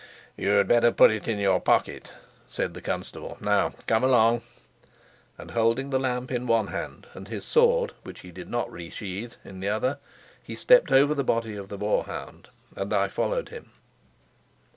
"You'd better put it in your pocket," said the constable. "Now come along;" and, holding the lamp in one hand and his sword (which he did not resheathe) in the other, he stepped over the body of the boar hound, and I followed him.